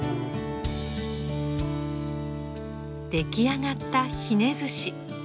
出来上がったひねずし。